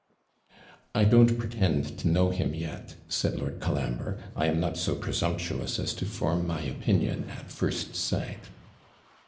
'I don't pretend to know him yet,' said Lord Colambre. 'I am not so presumptuous as to form my opinion at first sight.'